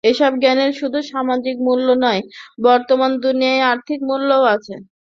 এসব জ্ঞানের শুধু সামাজিক মূল্যই নয়, বর্তমান দুনিয়ায় আর্থিক মূল্যও আছে।